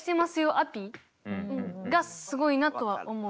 アピ」がすごいなとは思う。